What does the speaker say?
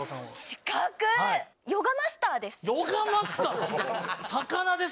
ヨガマスターです。